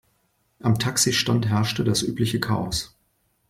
Am Taxistand herrschte das übliche Chaos.